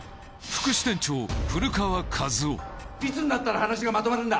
いつになったら話がまとまるんだ！